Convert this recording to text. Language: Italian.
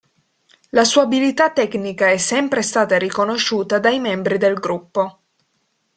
La sua abilità tecnica è sempre stata riconosciuta dai membri del gruppo.